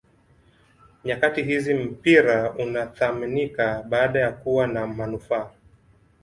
nyakati hizi mpira unathaminika baada ya kuwa na manufaa